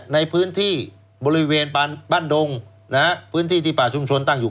ในพื้นที่บริเวณบ้านดงนะฮะพื้นที่ที่ป่าชุมชนตั้งอยู่